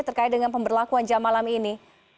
terkait dengan pemberlakuan jam malam ini